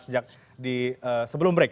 sejak di sebelum break